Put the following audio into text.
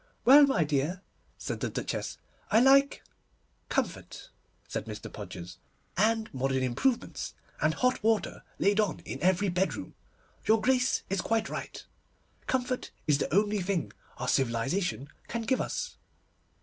'Well, my dear,' said the Duchess, 'I like—' 'Comfort,' said Mr. Podgers, 'and modern improvements, and hot water laid on in every bedroom. Your Grace is quite right. Comfort is the only thing our civilisation can give us.